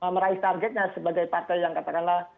meraih targetnya sebagai partai yang katakanlah